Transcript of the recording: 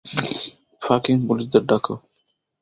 Fucking পুলিশদের ডাকো।